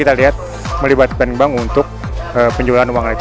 terima kasih bank indonesia